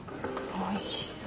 おいしそう。